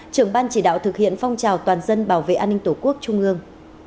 trưởng ban chỉ đạo thực hiện phong trào toàn dân bảo vệ an ninh tổ quốc trung ương